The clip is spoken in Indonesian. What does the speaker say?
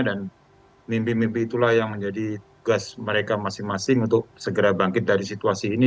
dan mimpi mimpi itulah yang menjadi tugas mereka masing masing untuk segera bangkit dari situasi ini